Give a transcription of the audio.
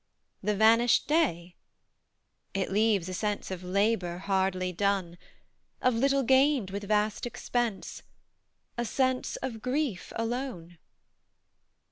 "The vanished day? It leaves a sense Of labour hardly done; Of little gained with vast expense A sense of grief alone?